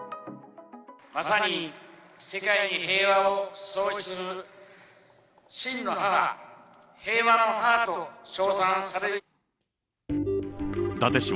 まさに世界に平和を創出する真の母、平和の母と称賛される。